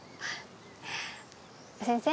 先生。